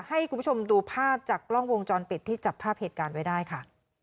ให้คุณผู้ชมดูภาพจากกล้องวงจรปิดที่จับภาพเหตุการณ์ไว้ได้ค่ะ